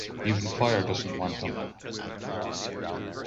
Even fire doesn't want them.